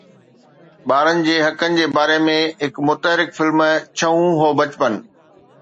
ٻارن جي حقن جي باري ۾ هڪ متحرڪ فلم، ڇهون هو بچپن